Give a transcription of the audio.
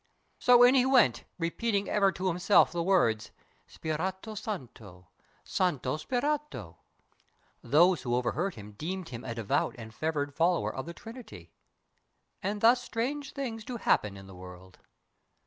So in he went Repeating ever to himself the words "Spirito Santo! Santo Spirito!" Those who o'erheard him deemed him a devout And fervid follower of the Trinity. And thus strange things do happen in the world.